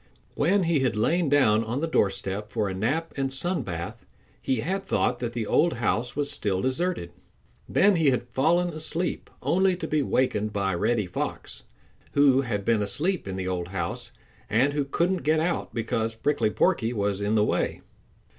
When he had lain down on the doorstep for a nap and sun bath, he had thought that the old house was still deserted. Then he had fallen asleep, only to be wakened by Reddy Fox, who bad been asleep in the old house and who couldn't get out because Prickly Porky was in the way.